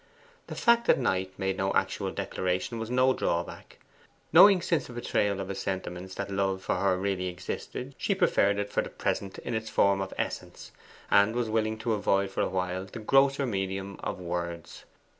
The fact that Knight made no actual declaration was no drawback. Knowing since the betrayal of his sentiments that love for her really existed, she preferred it for the present in its form of essence, and was willing to avoid for awhile the grosser medium of words.